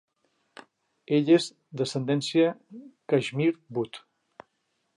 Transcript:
Ell és d'ascendència Kashmiri Butt.